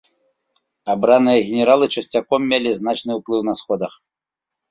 Абраныя генералы часцяком мелі значны ўплыў на сходах.